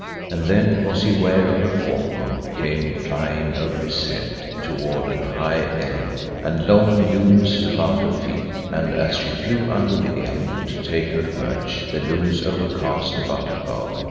And then was he ware of a falcon came flying over his head toward an high elm, and long lunes about her feet, and as she flew unto the elm to take her perch the lunes over cast about a bough.